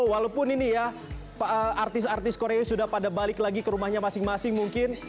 walaupun ini ya artis artis korea sudah pada balik lagi ke rumahnya masing masing mungkin